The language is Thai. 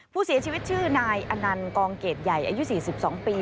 ผู้เสียชีวิตชื่อนายอนันต์กองเกรดใหญ่อายุ๔๒ปี